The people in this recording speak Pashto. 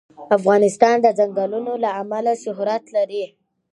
افغانستان د چنګلونه له امله شهرت لري.